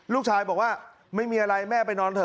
ลูกชายบอกว่าไม่มีอะไรแม่ไปนอนเถ